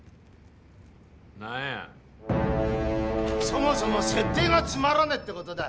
そもそも設定がつまらねえって事だ。